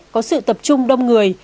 có sự tập trung đông người